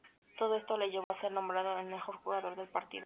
Todo esto le llevó a ser nombrado el mejor jugador del partido.